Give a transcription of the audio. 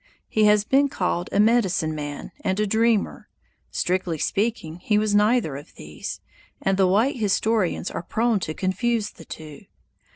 He has been called a "medicine man" and a "dreamer." Strictly speaking, he was neither of these, and the white historians are prone to confuse the two.